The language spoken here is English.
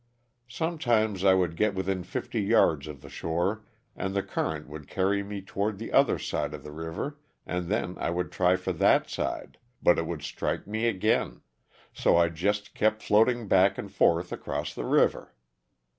Sometimes I would get within fifty yards of the shore and the current would carry me toward the other side of the river and then I would try for that side, but it would strike me again ; so I just kept floating back and forth across the river.